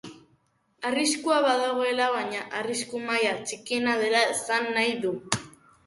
Arriskua badagoela baina arrisku-maila txikiena dela esan nahi du.